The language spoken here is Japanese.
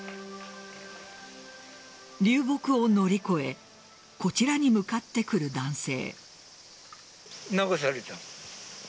流木を乗り越えこちらに向かってくる男性。